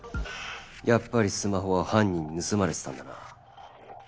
やっぱりスマホは犯人に盗まれてたんだな。